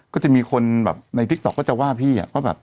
ก็จะมีคนในติ๊กต็อกก็จะว่าพี่